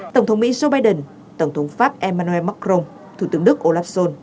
tổng thống mỹ joe biden tổng thống pháp emmanuel macron thủ tướng đức olaf schol